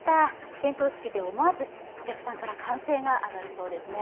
点灯式で思わずお客さんから歓声が上がるそうです。